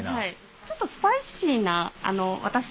ちょっとスパイシーな。